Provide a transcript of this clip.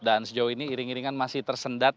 dan sejauh ini iring iringan masih tersendat